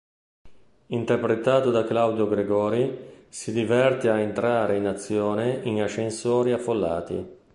Interpretato da Claudio Gregori, si diverte ad entrare in azione in ascensori affollati.